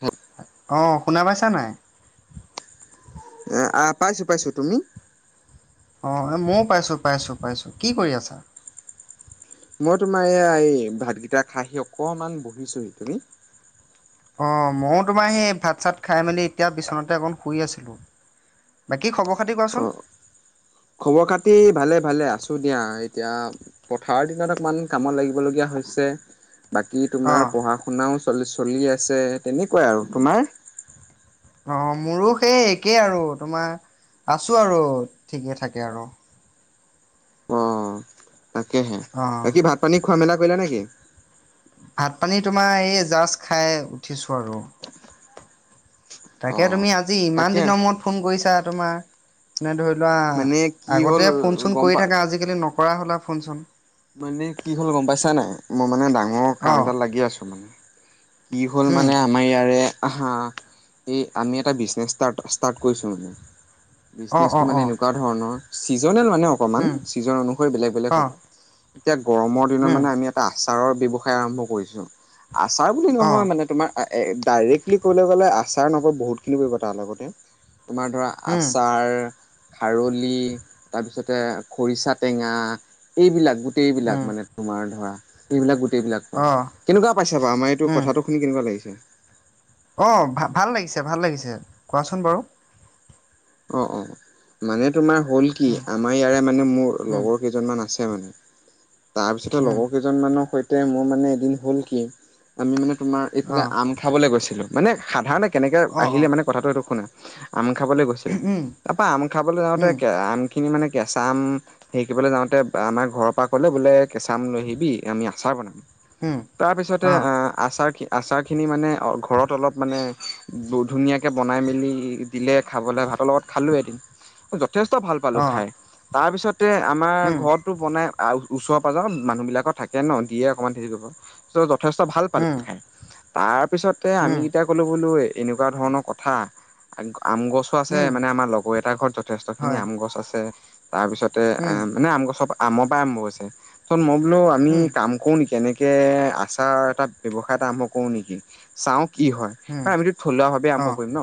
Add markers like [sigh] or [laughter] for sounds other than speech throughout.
হ [unintelligible] অ শুনা পাইছা নাই? এ আ পাইছো পাইছো। তুমি? অ ময়ো পাইছো পাইছো পাইছো। কি কৰি আছা? মই তোমাৰ এইয়া এই ভাতকিটা খাই আহি অকনমান বহিছোহি। তুমি? অ। মইয়ো তোমাৰ সেই ভাত চাত খাই মেলি এতিয়া বিচনাতে অকণ শুই আছিলোঁ। বাকী খবৰ খাতি অ কোৱাচোন? খবৰ খাতি ভালে ভালে, আছো দিয়া এতিয়া পথাৰৰ দিনত অকমান কামত লাগিব লগগীয়া হৈছে। বাকী অঁ তোমাৰ পঢ়া শুনাও চলি চলি আছে, তেনেকুৱাই আৰু। তোমাৰ? অ মোৰো সেই একেই আৰু তোমাৰ, আছো আৰু ঠিকে থাকে আৰু। অ তাকেহে। অঁ। বাকী ভাত পানী খোৱা মেলা কৰিলা নেকি? ভাত পানী তোমাৰ এই জাৰ্জ খাই উঠিছো আৰু। অ তাকে তুমি আজি ইমান তাকে দিনৰ মূৰত ফোন কৰিছা তোমাৰ। মানে ধৰি লোৱা, মানে কি হ'ল আগতে ফোন চোন গম পা কৰি থাকা, আজিকালি নকৰা হ'লা ফোন চোন। মানে কি হ'ল গম পাইছা নাই? মই মানে ডাঙৰ কাম অঁ এটাত লাগি আছো মানে। কি হ'ল উম মানে আমাৰ ইয়াৰে হা, এই আমি এটা বিজনেচ ষ্টাৰ্ট ষ্টাৰ্ট কৰিছো মানে। অঁ বিজনেচটো অঁ মানে অঁ এনেকুৱা ধৰণৰ, ছিজনেল মানে অকমান। উম চিজন অনুসৰি বেলেগ বেলেগ অঁ হ'ব। এতিয়া গৰমৰ দিনত উম মানে আমি এটা আচাৰৰ ব্যৱসায় আৰম্ভ কৰিছোঁ। আচাৰ বুলি অঁ। নহয় মানে তোমাৰ আ এ ডাইৰেক্টলি ক'বলৈ গ'লে আচাৰ নকৈ বহুতখিনি পৰিব তাৰ লগতে। তোমাৰ ধৰা উম আচাৰ খাৰলি, তাৰপিছতে খৰিচা টেঙা, এইবিলাক উম গোটেইবিলাক মানে। তোমাৰ ধৰা এইবিলাক গোটেইবিলাক কৰে। অঁ কেনেকুৱা পাইছা বাৰু আমাৰ এইটো উম কথাটো শুনি কেনেকুৱা লাগিছে? অঁ ভা ভাল লাগিছে, ভাল লাগিছে, কোৱাচোন বাৰু? অ অ। মানে তোমাৰ হ'ল কি? উম আমাৰ ইয়াৰে মানে মোৰ উম লগৰ কেই জন মান আছে মানে। তাৰ পিছতে উম লগৰ কেই জন মানৰ সৈতে মোৰ মানে এদিন হল কি? আমি মান তোমাৰ এইফালে অঁ আম খাবলৈ গৈছিলোঁ। মানে সাধাৰণতে কেনেকে অঁ আহিলে অঁ মানে কথাটো এইটো শুনা। আম খাবলে গৈ উম তাৰপা আম খাবলৈ উম যাওঁতে আম খিনি মানে কেঁচা আম সেই কিবলৈ যাওঁতে আমাৰ ঘৰৰ পৰা কলে বোলে, কেঁচা আম লৈ আহিবি আমি আচাৰ বনাম। উম তাৰ পিছতে অঁ আহ আচাৰ আচাৰখিনি মানে ঘৰত অলপ মানে, ধুনীয়াকে বনাই মেলি, দিলে খাবলে ভাল। তলত খালোঁ এদিন। যথেষ্ট ভাল পালোঁ অঁ খাই। তাৰপিছতে আমাৰ উম ঘৰত তো বনাই, ওচৰ পাজৰ মানুহ বিলাকৰ থাকে ন, দিয়ে অকনমান হেৰি কৰিব। ত যথেষ্ট ভাল পালে উম খাই। তাৰ পিছতে আমি উম কেইটা কলো বোলোঁ এ-এনেকুৱা ধৰণৰ কথা, আম গছত - তে উম মানে আমাৰ লগৰ এটাৰ ঘৰত যথেষ্টখিনি হয় আম গছ আছে। তাৰ পিছতে এ উম মানে আম গছৰ পৰা - আমৰ পৰাই আৰম্ভ হৈছে। ত' মই বোলোঁ আমি উম কাম কৰোঁ নেকি? এনে - কে আচাৰ এটা ব্যৱসায় এটা আৰম্ভ কৰোঁ নেকি? চাওঁ কি হয়। উম এ' আমিতো থলুৱা ভাৱে আৰম্ভ অঁ কৰিম ন'।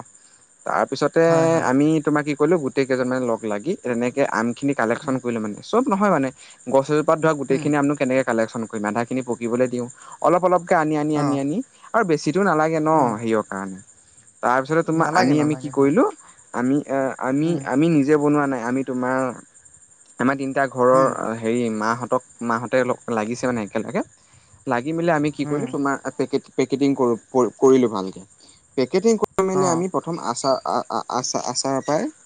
তাৰ হয় পিছতে- হয় আমি তোমাৰ কি কৰিলোঁ, গোটেই কেইজন মানে লগ লাগি তেনেকে আমখিনি কালেকশ্যন উম কৰি লম মানে। চব নহয় মানে। গছজোপাত ধৰা, উম গোটেইখিনি আমনো কেনেকে কালেকশ্যন কৰিম। আধাখিনি পকিবলে দিওঁ। অলপ অলপকে আনি আনি অঁ আনি আনি, আৰু বেছিটো নালাগে উম ন' সেইয়ৰ কাৰণে। তাৰ পিছতে তোমাৰ নালাগে আনি আমি কি নালাগে হয় কৰিলোঁ, আমি অ', আমি উম আমি নিজে বনোৱা নাই। আমি - তোমাৰ, আমাৰ তিনিটা ঘৰৰ উম আৰু - হেৰি মাহঁতক, মাহঁতে লাগিছে মানে একেলগে। লাগি-মেলি আমি কি উম কৰিলোঁ, তোমাৰ - পেকেট, পেকেটিং কৰোঁ, কৰ-কৰিলোঁ ভালকে। পেকেটিং কৰি মেলি অঁ আমি প্ৰথ - প্ৰথম আচা-আ-আ-আচা আচাৰ পৰাই -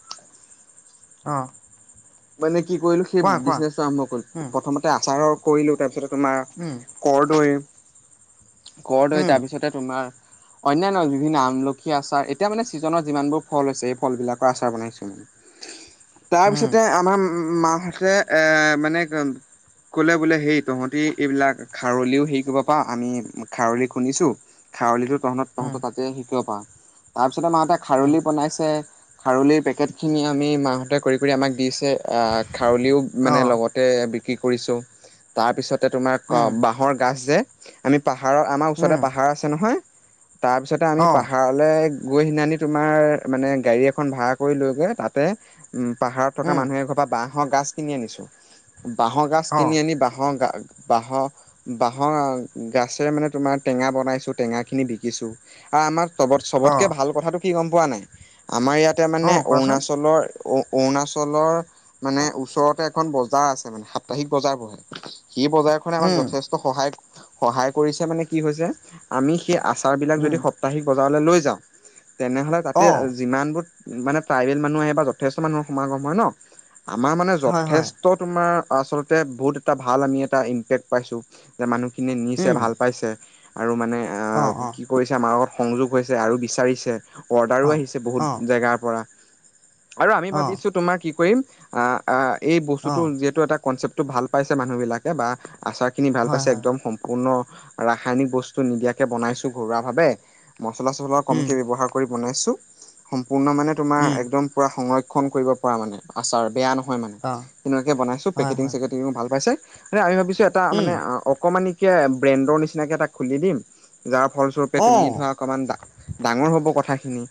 অহ। মানে কি কৰিলোঁ, সেই বিজনেচটো আৰম্ভ কৰিলোঁ। উম প্ৰথমতে আচাৰৰ কৰিলোঁ, তাৰপিছতে তোমাৰ উম - কৰদৈ। কৰদৈ, উম তাৰপিছতে তোমাৰ - অন্যান্য বিভিন্ন আমলখি আচাৰ, এতিয়া মানে চিজনৰ যিমানবোৰ ফল হৈছে, সেই ফলবিলাকৰ আচাৰ বনাইছোঁ মানে। উম তাৰপিছতে আমাৰ মাহঁতে এ' মানে ম - ক'লে বোলে সেই তহঁতি এইবিলাক খাৰলিও হেৰি কৰিব পাৰোঁ। আমি খাৰলি খুন্দিছোঁ - খাৰলিটো তহঁতৰ, উম তহঁতৰ তাতে শিকিব পাৰা। তাৰপিছতে মাহঁতে উম খাৰলি বনাইছে। খাৰলিৰ পেকেটখিনি আমি মাহঁতে কৰি কৰি আমাক দিছে। আ' খাৰলিও মানে অঁ লগত - তে বিক্ৰী কৰিছোঁ। তাৰ পিছতে তোমাৰ উম ক' বাঁহৰ গাছ যে - আমি পাহাৰৰ, আমাৰ উম ওচৰতে পাহাৰ আছে নহয়, তাৰ পিছতে আমি অঁ পাহাৰত - লে গৈ সেইদিনাখনি তোমাৰ মানে গাড়ী এখন ভাড়া কৰি লৈ গৈ তাতে, উম পাহাৰত - থকা উম মানুহে এঘৰৰ পৰা বাঁহৰ গাছ কিনি আনিছোঁ। বাঁহৰ গাছ অঁ কিনি আনি বাঁহৰ গা - বাঁহৰ, বাঁহৰ গাছে মানে তোমাৰ টেঙা বনাইছোঁ। টেঙা কিনি বিকিছোঁ। আ' আমাৰ চবত, চবতকে অ', ভাল কথাটো কি, গম পোৱা নে নাই? আমাৰ ইয়াতে মানে, অ', কোৱাচোন। অৰুণাচলৰ অ-অৰুণা - চলৰ মানে ওচৰতে এখন বজাৰ আছে মানে। সাপ্তাহিক বজাৰ বহে। সি বজাৰ - বজাৰখনে আমাক উম, যথেষ্ট সহায় - সহায় কৰিছে মানে কি হৈছে। আমি সেই আচাৰবিলাক যদি উম, সপ্তাহিক বজাৰলে লৈ যাওঁ - তেনেহলে তাতে এ' অ', যিমানবোৰ মানে ট্ৰাইবেল মানুহ আহে বা যথেষ্ট মানুহ সমাগম - হয় ন', আমাৰ মানে হয়, হয়, যথেষ্ট - তোমাৰ আচলতে বহুত এটা ভাল আমি এটা ইম্পেক্ট পাইছোঁ। যে মানুহখিনিয়ে নিছে, উম, ভাল পাইছে। আৰু মানে অহ, অ', অ', কি কৰিছে, আমাৰ লগত সংযোগ হৈছে। আৰু বিচাৰিছে। অৰ্ডাৰো অ', আহিছে বহুত অ', জেগাৰ পৰা। আৰু আমি অ', ভাবিছোঁ তোমাৰ কি কৰিম - আ' আ', এই বস্তুটো অ', যিহেতু এটা কনচেপ্টটো ভাল পাইছে মানুহ বিলাকে, বা - আচাৰখিনি ভাল হয়, পাইছে, হয়, একদম সম্পূৰ্ণ ৰাসায়নিক বস্তু নিদিয়াকে বনাইছোঁ ঘৰুৱাভাৱে। মছলা-চছলা উম, কমকে ব্যৱহাৰ কৰি বনাইছোঁ। সম্পূৰ্ণ মানে তোমাৰ উম, একদম পুৰা সংৰক্ষণ কৰিব পাৰা মানে। আচাৰ বেয়া নহয় মানে। অ', তেনেকুৱাকে বনাইছোঁ। হয়, হয়, পেকেটিং-চেকেটিংও ভাল পাইছে। আৰে আমি ভাবিছোঁ এটা উম, মানে অকমানিকে ব্ৰেণ্ডৰ নিচিনাকে এটা খুলি দিম। যাৰ ফলস্বৰূপে তুমি অ', ধৰা অকমান ডা-ডাঙৰ হ'ব কথাখিনি।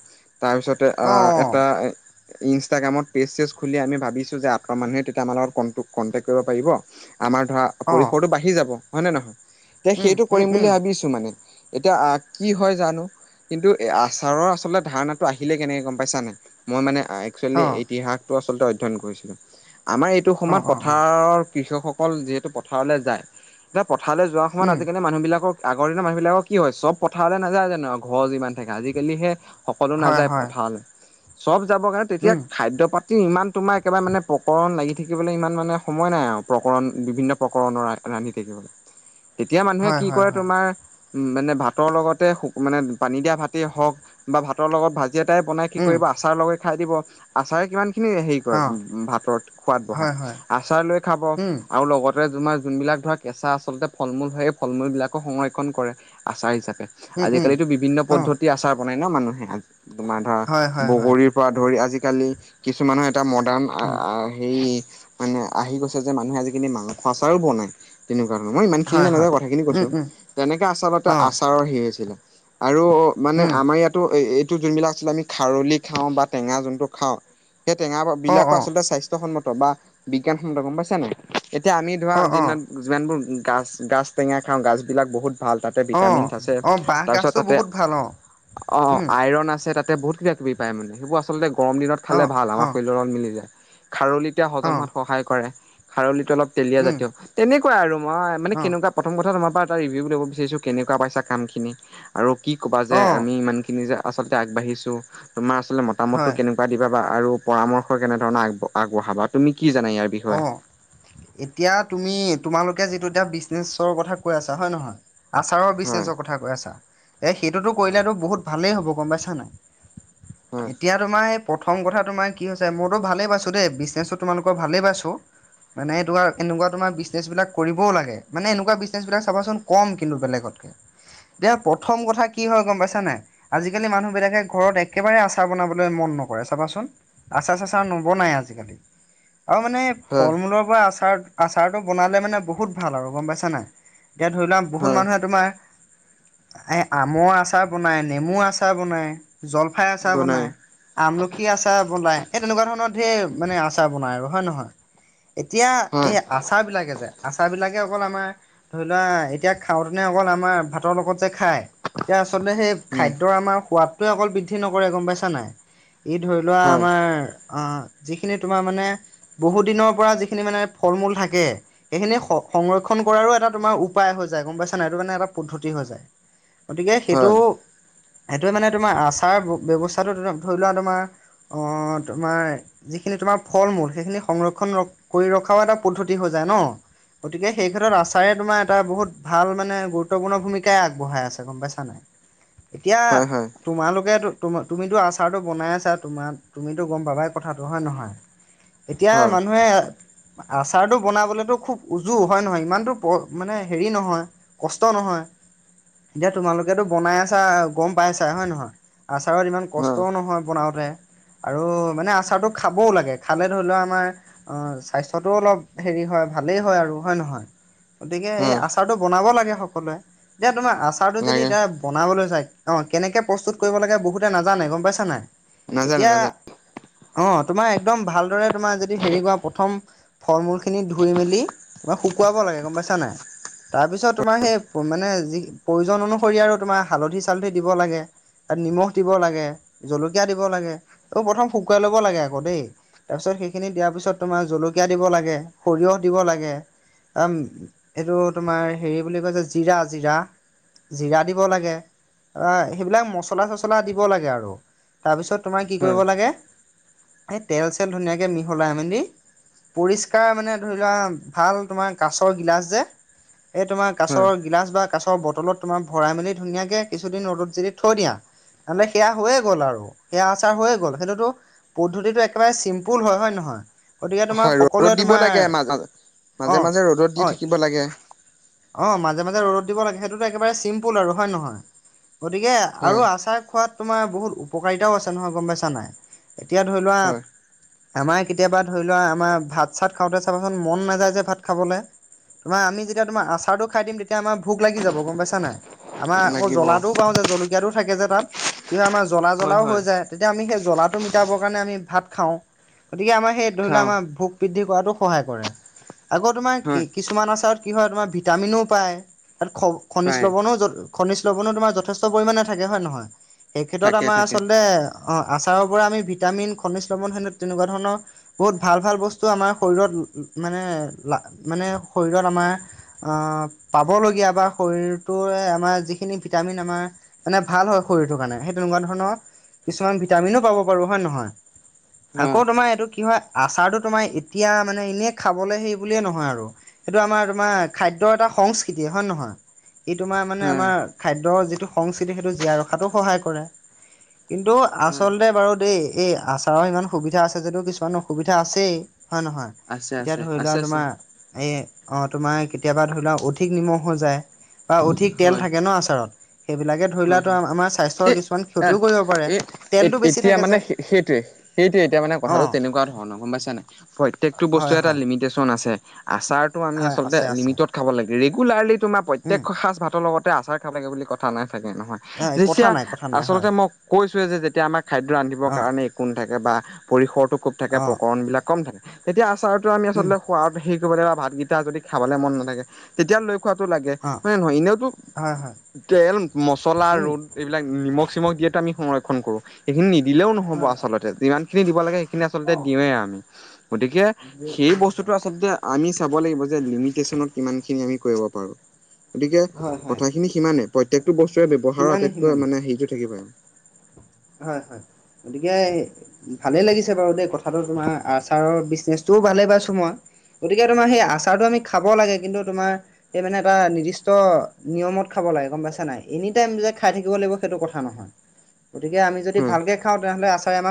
তাৰপিছত - তে আ' অ', এটা ই-ইনষ্টাগ্ৰামত - পেচ চেজ খুলি আমি ভাবিছোঁ যে আঁতৰ মানুহে তেতিয়া আমাৰ লগত কন কণ্টেকট কৰিব পাৰিব। আমাৰ ধৰা অ', অ'। পৰিসৰটো বাঢ়ি যাব। হয় নে নহয়? তে উম, সেইটো উম, কৰিম উম, বুলি ভাবি আছো মানে। এতিয়া আ কি হয় জানো? কিন্তু এ আচাৰৰ আচলতে ধাৰণাটো আহিলে কেনেকে গম পাইছা নাই? মই মানে আ একচুৱেলি অ', ইতিহাসটো আচলতে অধ্যয়ন কৰিছিলোঁ। আমাৰ এইটো অ', সময়ত অ', অ', পথাৰৰ কৃষকসকল যিহেতু পথাৰলে যায়। এতিয়া পথাৰলে যোৱা সমান উম, আজিকালি মানুহবিলাকৰ আগৰ দিনৰ মানুহবিলাকৰ কি হয়? চব পথাৰলে নাযায় জানো? অ ঘ যিমান থাকে। আজিকালিহে সকলো হয়, নাযায় হয়, পথাৰলে। চব যাব কাৰণে তেতিয়া উম, খাদ্য পাতি ইমান তোমাৰ একেবাৰে মানে প্ৰকৰণ লাগি থাকিবলে ইমান মানে সময় নাই আও। প্ৰকৰণ বিভিন্ন উপকৰণৰ ৰান্ধি থাকিবলে। তেতিয়া মানুহে হয়, কি হয়, কৰে হয়, তোমাৰ? মানে ভাতৰ লগতে মানে পানী দিয়া ভাতেই হওক। বা ভাতৰ লগত ভাজি এটাই বনাই কি উম, কৰিব আচাৰ লগাই খাই দিব। আচাৰে কিমান খিনি হেৰি কৰে অ', ভাতৰ সোৱাদ বহাই। হয়, হয়, আচাৰ লৈ খাব। উম, আৰু লগতে তোমাৰ যোনবিলাক ধৰা কেঁচা আচলতে ফল মূল থাকে। ফল মূলবিলাকো সংৰক্ষণ কৰে। আচাৰ হিচাপে। উম, উম, আজিকালিতো বিভিন্ন অ', পদ্ধতি আচাৰ বনাই ন মানুহে। তোমাৰ ধৰা হয়, হয়, হয়, বগৰীৰ পৰা ধৰি আজিকালি কিছুমানৰ এটা মডাৰ্ণ আ উম, সেই। মানে আহি গৈছে যে। মানুহে আজিকালি মাংস আচাৰো বনায়। তেনেকুৱা ধৰণৰ। মই ইমান খিনি হয়, হয়, নযায় কথাখিনি উম, কৈছো। উম, তেনেকে আচলতে আচাৰতে অ', আচাৰৰ হেই হৈছিলে। আৰু মানে উম, আমাৰ ইয়াতো এই এইটো যোনবিলাক আচলতে আমি খাৰলি খাওঁ বা টেঙা যোনটো খাওঁ। সেই টেঙা অ', বিলাকো অ', আচলতে স্বাস্থ্যসন্মত বা বিজ্ঞান খন্দ গম পাইছা নাই। এতিয়া আমি ধৰা অ', অ'। যিনাত যিমানবোৰ গাছ গাছ টেঙা খাওঁ। গাছবিলাক বহুত ভাল তাতে ভিটামিন অ', আছে। অ', বাঁহ তাৰপিছত গাজটো তাতে বহুত ভাল অ', অ উম, আইৰন আছে তাতে বহুত কিবা কিবি পায় মানে। সেইবোৰ আচলতে গৰম দিনত খালে অ', ভাল আমাৰ অ', শৰীৰ লগত মিলি যায়। খাৰলিতিয়া হজম অ', হোৱাত সহায় কৰে। খাৰলিটো অলপ তেলীয়া উম, জাতীয়। তেনেকুৱাই আৰু। মই মানে অ', কেনেকুৱা প্ৰথম কথা তোমাৰ এটা ৰিভিউ লব বিচাৰিছো। কেনেকুৱা পাইছা কাম খিনি? আৰু কি কবা যে অ', আমি ইমান খিনি যে আচলতে আগবাঢ়িছো। তোমাৰ আচলতে মতামত ত হয়, কেনেকুৱা দিবা বা আৰু পৰামৰ্শ কেনে ধৰণৰ আগব আগবঢ়াবা? তুমি কি জানা ইয়াৰ বিষয়ে? অ', এতিয়া তুমি তোমালোকে যিটো এতিয়া বিজনেছৰ কথা কৈ আছা হয় নহয়? আচাৰৰ হয় বিচনেচৰ কথা কৈ আছা। এ সেইটোতো হয় কৰিলেতো বহুত ভালেই হ'ব গম পাইছা নাই? হয় এতিয়া তোমাৰ সেই প্ৰথম কথা তোমাৰ কি হৈছে মইতো ভালেই পাইছো দেই বিজনেছো তোমালোকৰ ভালেই পাইছো। মানে এনেকুৱা এনেকুৱা তোমাৰ বিজনেছ বিলাক কৰিবও লাগে। মানে এনেকুৱা বিজনেছ বিলাক চাবচোন কম কিন্তু বেলেগতকে। এতিয়া প্ৰথম কথা কি হয় গম পাইছা নাই? আজিকালি মানুহ বিলাকে ঘৰত একেবাৰে আচাৰ বনাবলে মন নকৰে। চাবাচোন? আচাৰ চাচাৰ নবনাই আজিকালি। আৰু মানে হয় ফল মূলৰ পৰা আচাৰ আচাৰটো বনালে মানে বহুত ভাল আৰু গম পাইছা নাই? এতিয়া ধৰি লোৱা বহুত হয় মানুহে তোমাৰ এ আম আচাৰ বনায়, নেমুৰ আচাৰ বনায়। জলফাই আচাৰ বনাই। আমলখি আচাৰ বনাই সেই তেনেকুৱা ধৰণৰ ধেৰ মানে আচাৰ বনায় আৰু হয় নহয় এতিয়া এই হয় আচাৰ বিলাকে যে আচাৰ বিলাকে অকল আমাৰ ধৰি লোৱা এতিয়া খাওঁতেনে অকল আমাৰ ভাতৰ লগত যে খায় যে আচলতে সে উম খাদ্যৰ আমাৰ সোৱাদটোৱে অকল বৃদ্ধি নকৰে গম পাইছা নাই ই ধৰি লোৱা হয় আমাৰ, অ যিখিনি তোমাৰ মানে বহু দিনৰ পৰা যিখিনি মানে ফল মূল থাকে। সেইখিনি সংৰক্ষণ কৰাৰো এটা তোমাৰ উপায় হৈ যায় গম পাইছা নাই এইটো মানে এটা পদ্ধতি হৈ যায়। গতিকে সেইটো হয় সেইটোৱে মানে তোমাৰ আচাৰ ব্যৱস্থাটো ধৰি লোৱা তোমাৰ, অ তোমাৰ যিখিনি তোমাৰ ফল মূল সেইখিনি সংৰক্ষণ ৰ কৰি ৰখা, খ এটা পদ্ধতি হৈ যায় ন। গতিকে সেই ক্ষেত্ৰত আছোৰে তোমাৰ এটা বহুত ভাল মানে গুৰুত্বপূৰ্ণ ভূমিকাই আগবঢ়াই আছে গম পাইছা নাই। [inaudible] এতিয়া, হয় তোমালোকেতো তোম তুমিতো আচাৰটো বনাই আছা তোমাৰ তুমিতো গম পাবাই কথাটো হয় নহয়। [inaudible] এতিয়া হয় মানুহে, আচাৰটো বনাবলেতো খুব উজু হয় নহয় ইমানতো মানে হেৰি নহয়। কষ্ট নহয় এতিয়া তোমালোকেতো বনাই আছা গম পাইছা হয় নহয়। আচাৰত ইমান হয় কষ্টও নহয় বনাওতে। আৰু মানে আচাৰটো খাবও লাগে খালে ধৰি লোৱা আমাৰ অ স্বাস্থ্য, অলপ হে হয় ভালেই হয় আৰু হয় নহয় গতিকে এই হয় আ, আচাৰটো বনাব লাগে সকলোৱে এতিয়া তোমাৰ আচাৰ টো যদি নালাগে এতিয়া। বনাবলৈ চাই অ কেনেকে প্ৰস্তুত কৰিব লাগে বহুতে নাজানে গম পাইছা নাই নাজানো এতিয়া, নাজানো। অ তোমাৰ একদম ভালদৰে তোমাৰ যদি হেৰি কোৱা প্ৰথম, ফল মূল খিনি ধুই মেলি তোমাক শুকুৱাব লাগে গম পাইছা নাই। তাৰপিছত তোমাৰ সেই মানে যি প্ৰয়োজন অনুসৰি আৰু তোমাৰ হালধি চালধি দিব লাগে। তাত নিমখ দিব লাগে জলকীয়া দিব লাগে এইবোৰ প্ৰথম শুকুৱাই ল'ব লাগে আকৌ দেই। তাৰপিছত সেইখিনি দিয়াৰ পিছত তোমাৰ জলকীয়া দিব লাগে সৰিয়হ দিব লাগে। অ এইটো তোমাৰ হেৰি বুলি কৈছে জিৰা জিৰা, জিৰা দিব লাগে সেইবিলাক মছলা চচলা দিব লাগে আৰু তাৰপিছত, তোমাৰ কি হয় কৰিব লাগে এই তেল চেল ধুনীয়াকৈ মিহলাই মেলি। পৰিস্কাৰ মানে ধৰি লোৱা ভাল তোমাৰ কাছৰ গিলাচ যে এই তোমাৰ হয়। কাছৰ, গিলাচ বা কাছৰ বটলত তোমাৰ ভৰাই মেলি ধুনীয়াকে কিছুদিন ৰ'দত যদি থৈ দিয়া। মানে সেয়া হৈয়ে গ'ল আৰু সেয়া আচাৰ হৈয়ে গ'ল সেইটোতো, পদ্ধতিটো একেবাৰে চিম্পুল হয় নহয়। গতিকে তোমাৰ হয় ৰ'দত সকলোৱে দিব তোমাৰ লাগে মাজ অ মাজে মাজে ৰ'দত দি অ, থাকিব লাগে অ মাজে মাজে ৰ'দ দিব লাগে সেইটোতো একেবাৰে চিম্পুল আৰু হয় নহয় গতিকে, আৰু হয়। আচাৰ খোৱাত তোমাৰ বহুত উপকাৰিতাও আছে নহয় গম পাইছা নাই এতিয়া ধৰি লোৱা। হয়। আমাৰ কেতিয়াবা ধৰি লোৱা আমাৰ ভাত চাত খাওঁতে চাবাচোন মন নাযায় যে ভাত খাবলে। তোম আমি যেতিয়া তোমাৰ চাৰটো খাই দিম। এতিয়া আমাৰ ভোক লাগি যাব গম পাইছা নাই আমাৰ আক লাগিব। জ্বলাটোও পাওঁ যে জলকীয়াটো থাকে যে তাত। কিবা আমাৰ জ্বলা হয় জ্বলাও হৈ হয় যায়। তেতিয়া আমি সেই জ্বলাটো মিটাবৰ কাৰণে আমি ভাত খাওঁ গতিকে আমাৰ সেই ধৰি লওক খাওঁ আমাৰ ভোক, বৃদ্ধি কৰাতো সহায় কৰে আকৌ তোমাৰ কি, হয় কিছুমান আচাৰত কি হয় তোমাৰ ভিটামিনো পায় তাত খ খনিজ পায় লৱনো জ খনিজ লৱণো তোমাৰ যথেষ্ট পৰিমাণে থাকে হয়ে নহয় সেই ক্ষেত্ৰত থাকে আমাৰ থাকে আচলতে। অ আচাৰৰ পৰা আমি ভিটামিন খনিজ লৱণ তেনেকুৱা ধৰণৰ। বহুত ভাল ভাল বস্তু আমাৰ শৰীৰত মানে মানে শৰীৰত আমাৰ। আহ পাবলগীয়া বা শৰীৰটোৱে আমাৰ যিখিনি ভিটামিন আমাৰ। মানে, ভাল হয় শৰীৰটোৰ কাৰণে সেই তেনেকুৱা ধৰণৰ কিছুমান ভিটামিনো পাব পাৰো হয় নে নহয়? হয় আকৌ তোমাৰ এইটো কি হয়, আচাৰটো তোমাৰ এতিয়া মানে এনেই খাবলে সেই বুলিয়ে নহয় আৰু। এইটো আমাৰ তোমাৰ খাদ্যৰ এটা সংস্কৃতি হয় নে নহয়, ই তোমাৰ মানে হয়। আমাৰ খাদ্যৰ যিটো সংস্কৃতি সেইটো জীয়াই ৰখাতো সহায় কৰে। কিন্তু হয় আচলতে বাৰু দেই, এই আচাৰৰ ইমান সুবিধা আছে যদিও, কিছুমানো সুবিধা আছেই হয় নহয়, আছে এতিয়া আছে ধৰি লোৱা আছে আছে তোমাৰ এ অ' তোমাৰ কেতিয়াবা ধৰি লোৱা অধিক নিমখ হৈ যায় বা অধিক তেল হয় থাকে ন, আচাৰত সেইবিলাকে ধৰি হয় লোৱা, হয়। [unintelligible] আমাৰ সেই স্বাস্থ্যৰ কিছুমান আহ ক্ষতিও কৰিব পাৰে, এ তেল টো বেছি থাকে যে। সেইটো এতিয়া মানে কথাটো অ' তেনেকুৱা ধৰণৰ, গম পাইছা নাই, প্ৰত্যেকটো হয় বস্তুৰে এটা হয় লিমিটেচন আছে। আচাৰটো আমি হয় আচলতে আছে আছে লিমিটত খাব লাগে, ৰেগুলাৰলি তোমাৰ প্ৰত্যেক উম। সাজ ভাতৰ লগতে আচাৰ [unintelligible] বুলি কথা নাই থাকে নহয়, কথা যেচিয়া নাই কথা নাই আচলতে হয় মোক কৈছোৱে যে, যেতিয়া আমাৰ খাদ্য ৰান্ধিবৰ অ' কাৰণে একো নাথাকে বা পৰিসৰটো খুব থাকে অ' প্ৰকৰণ বিলাক কম থাকে, তেতিয়া আচাৰতো আমি উম আচলতে সোঁৱাদ হেই কৰিব [unintelligible] ভাতকেইটা যদি খাবলে মন নাথাকে তেতিয়া লৈ খোৱাটো লাগে, অ' হয় নে নহয়, এনেওঁতো হয় হয় তেল-মচলা, উম ৰ'ল এইবিলাক নিমখ-চিমখ দিয়াতো আমি সংৰক্ষন কৰোঁ। এইখিনি নিদিলেওঁ নহ'ব হয় হয় আচলতে যিমান খিনি দিব লাগে খিনি আচলতে অ' দিওঁৱে আমি গতিকে সেই বস্তুটো আচলতে আমি চাব লাগিব যে লিমিটেচনত কিমানখিনি আমি কৰিব পাৰোঁ গতিকে হয় হয় কথাখিনি সিমানেই প্ৰত্যেকটো বস্তুৰে ব্যৱহাৰৰ সিমানে সিমানে। আটাইতকৈ মানে, হেৰিটো থাকিবই হয়, হয় গতিকে ভালে লাগিছে বাৰু দেই, কথাটো তোমাৰ আচাৰৰ বিজনেচটোও ভালে পাইছো মই। গতিকে তোমাৰ সেই আচাৰটো আমি খাব লাগে, কিন্তু তোমাৰ এই মানে এটা নিৰ্দিষ্ট নিয়মত খাব লাগে গম পাইছা নাই, এনি টাইম যে খাই থাকিব লাগিব সেইটো কথা নহয়। গতিকে, আমি যদি হয় ভালকে খাওঁ তেনেহ'লে আচাৰে আমাক